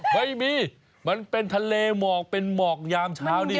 ไม่มีมันเป็นทะเลหมอกเป็นหมอกยามเช้านี่